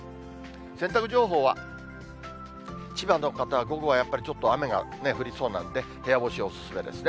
洗濯情報は、千葉の方は、午後はやっぱりちょっと雨が降りそうなんで部屋干しお勧めですね。